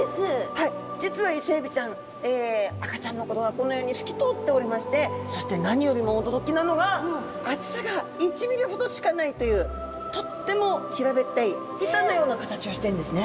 はい実はイセエビちゃん赤ちゃんの頃はこのように透き通っておりましてそして何よりも驚きなのがというとっても平べったい板のような形をしてるんですね。